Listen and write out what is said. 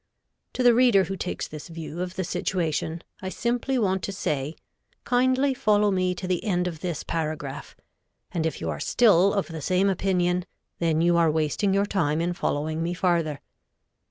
To the reader who takes this view of the situation I simply want to say, kindly follow me to the end of this paragraph, and if you are still of the same opinion, then you are wasting your time in following me farther.